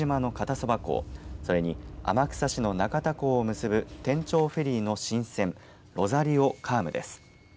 それに天草市の中田港を結ぶ天長フェリーの新船ロザリオ・カームです。